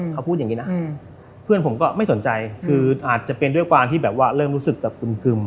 เขาพูดอย่างนี้นะเพื่อนผมก็ไม่สนใจคืออาจจะเป็นด้วยความที่แบบว่าเริ่มรู้สึกแบบอึม